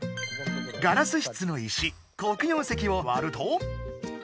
ガラスしつの石黒曜石をわると。